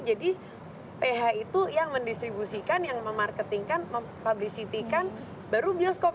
jadi ph itu yang mendistribusikan yang memarketingkan mempublicitikan baru bioskop